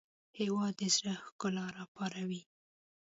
هېواد د زړه ښکلا راپاروي.